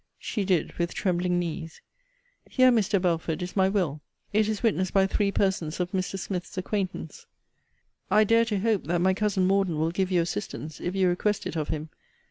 She did, with trembling knees. Here, Mr. Belford, is my will. It is witnessed by three persons of Mr. Smith's acquaintance. I dare to hope, that my cousin Morden will give you assistance, if you request it of him.